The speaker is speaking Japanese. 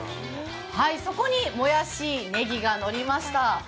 そこにもやし、ねぎが乗りました。